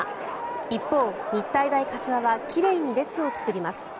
一方、日体大柏は奇麗に列を作ります。